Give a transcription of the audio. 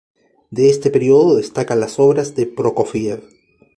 De este período destacan las obras de Prokofiev.